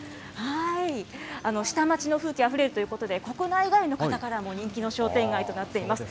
下町の風景あふれるということで、国内外の方からも人気の商店街となっています。